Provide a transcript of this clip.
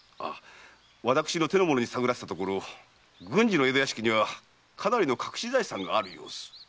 私の手の者に探らせたところ郡司の江戸屋敷にはかなりの隠し財産がある様子。